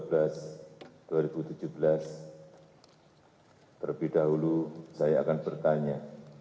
terlebih dahulu saya akan bertanya